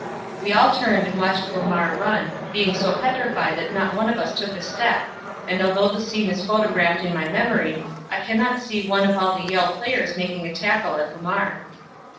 We all turned and watched Lamar run, being so petrified that not one of us took a step, and, although the scene is photographed on my memory, I cannot see one of all the Yale players making a tackle at Lamar.